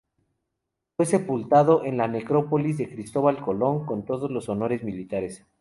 Fue sepultado en la Necrópolis de Cristóbal Colón con todos los honores militares.